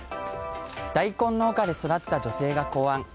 大根農家で育った女性が考案。